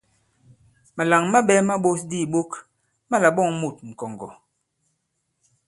Màlàŋ maɓɛ̄ ma ɓōs di ìɓok ma là-ɓɔ᷇ŋ mût ŋ̀kɔ̀ŋgɔ̀.